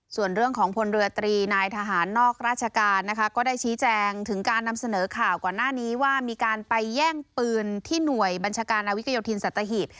ส่วนเรื่องของพลเรือตรีนายทหารนอกราชการนะคะก็ได้ชี้แจงถึงการนำเสนอข่าวก่อนหน้านี้ว่ามีการไปแย่งปืนที่หน่วยบัญชาการนาวิกโยธินสัตหีบ